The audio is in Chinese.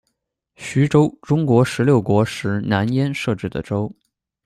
徐州，中国十六国时南燕设置的州。